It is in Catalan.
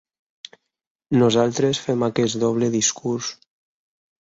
Nosaltres fem aquest doble discurs.